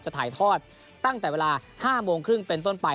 ถ่ายทอดตั้งแต่เวลา๕โมงครึ่งเป็นต้นไป